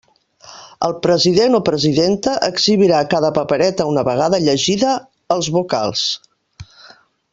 El president o presidenta exhibirà cada papereta una vegada llegida als vocals.